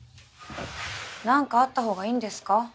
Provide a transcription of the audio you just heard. なんかあったほうがいいんですか？